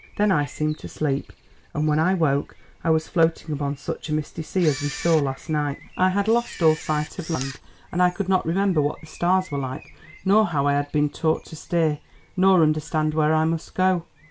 "Then I seemed to sleep, and when I woke I was floating upon such a misty sea as we saw last night. I had lost all sight of land, and I could not remember what the stars were like, nor how I had been taught to steer, nor understand where I must go.